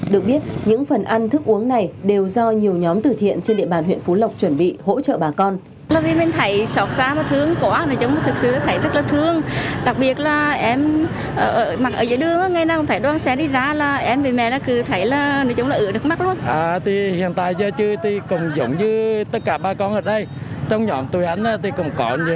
được biết những phần ăn thức uống này đều do nhiều nhóm tử thiện trên địa bàn huyện phú lộc chuẩn bị hỗ trợ bà con